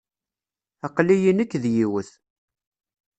Aql-iyi nekk d yiwet.